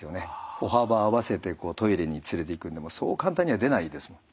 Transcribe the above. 歩幅合わせてトイレに連れていくんでもそう簡単には出ないですもん。